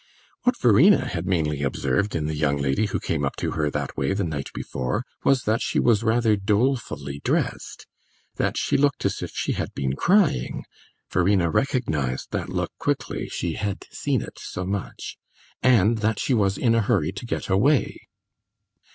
What Verena had mainly observed in the young lady who came up to her that way the night before was that she was rather dolefully dressed, that she looked as if she had been crying (Verena recognised that look quickly, she had seen it so much), and that she was in a hurry to get away.